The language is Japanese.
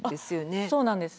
あっそうなんです。